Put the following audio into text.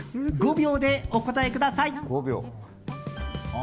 ５秒でお答えください。